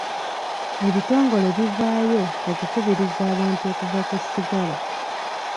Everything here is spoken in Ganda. Ebitongole bivaayo okukubiriza abantu okuva ku sigala.